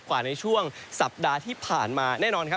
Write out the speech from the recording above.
กว่าในช่วงสัปดาห์ที่ผ่านมาแน่นอนครับ